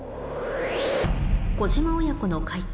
小島親子の解答